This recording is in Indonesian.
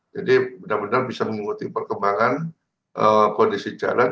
jadi benar benar bisa mengikuti perkembangan kondisi jalan